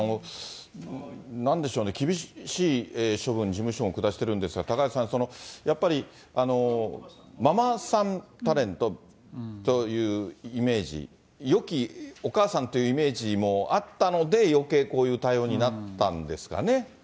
なんでしょうね、厳しい処分、事務所も下してるんですが、高橋さん、やっぱりママさんタレントというイメージ、よきお母さんというイメージもあったので、よけいこういう対応になったんですかね。